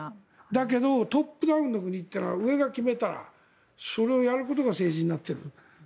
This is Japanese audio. だけどトップダウンの国に行ったら上が決めたらそれをやることが政治になっている。